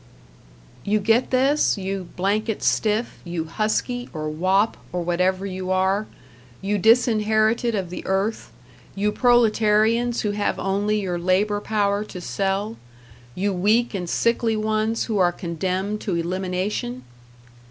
You get this, you "blanket stiff", you "husky", or "wop", or whatever you are you disinherited of the earth, you proletarians who have only your labor power to sell, you weak and sickly ones who are condemned to elimination?